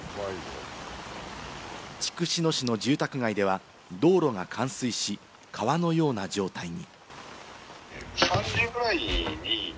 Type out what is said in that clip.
筑紫野市の住宅街では道路が冠水し、川のような状態に。